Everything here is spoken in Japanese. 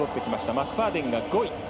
マクファーデンが５位。